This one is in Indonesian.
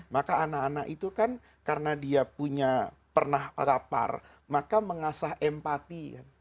maka anak anak itu kan karena dia punya pernah lapar maka mengasah empati